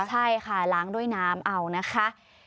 ใช่ค่ะล้างด้วยน้ำเอานะคะ